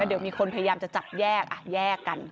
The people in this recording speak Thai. เดี๋ยวมีคนพยายามจะจับแยกแยกกัน